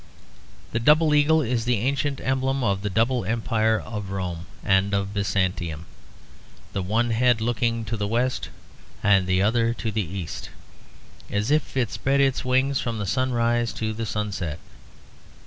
The double eagle is the ancient emblem of the double empire of Rome and of Byzantium; the one head looking to the west and the other to the east, as if it spread its wings from the sunrise to the sunset.